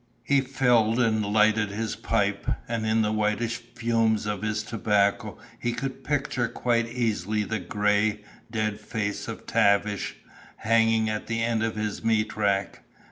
He filled and lighted his pipe, and in the whitish fumes of his tobacco he could picture quite easily the gray, dead face of Tavish, hanging at the end of his meat rack.